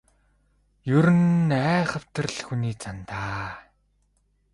Ер нь айхавтар л хүний зан даа.